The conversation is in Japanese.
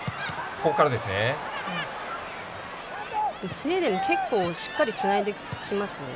スウェーデン結構、しっかりつないできますね。